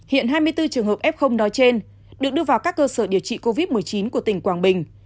hiện hai mươi bốn trường hợp f đó trên được đưa vào các cơ sở điều trị covid một mươi chín của tỉnh quảng bình